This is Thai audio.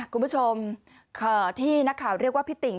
คุณผู้ชมที่นักข่าวเรียกว่าพี่ติ่ง